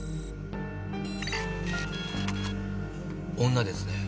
女ですね。